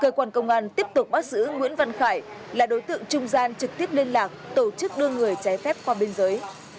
cơ quan công an tiếp tục bắt giữ nguyễn văn khải là đối tượng trung gian trực tiếp liên lạc tổ chức đưa người trái phép qua biên giới